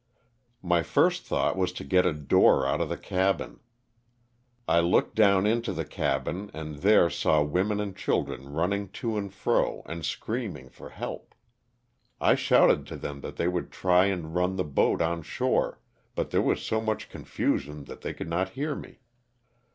My first thought was to get a door out of the cabin. I looked down into the cabin and there saw women and children running to and fro and screaming for help. I shouted to them that they would try and run the boat on shore but there was so much confusion that they could not hear me.